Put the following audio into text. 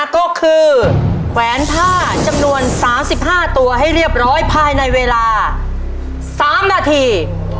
ก็คือแขวนผ้าจำนวน๓๕ตัวให้เรียบร้อยภายในเวลา๓นาที